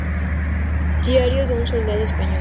Diario de un soldado español